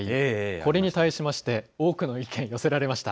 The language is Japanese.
これに対しまして、多くの意見、寄せられました。